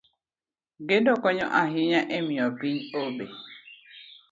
Gedo konyo ahinya e miyo piny obe